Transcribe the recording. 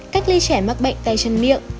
cách ly trẻ mắc bệnh tay chân miệng